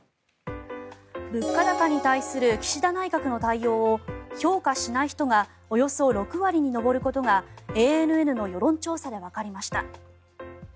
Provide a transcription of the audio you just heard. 物価高に対する岸田内閣の対応を評価しない人がおよそ６割に上ることがＡＮＮの世論調査でわかりました。